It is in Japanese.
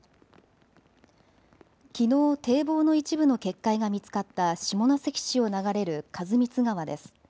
きのう堤防の一部の決壊が見つかった下関市を流れる員光川です。